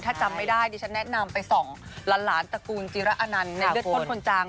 ถ้าจำไม่ได้ดิฉันแนะนำไปส่องหลานตระกูลจิระอนันต์ในเลือดข้นคนจัง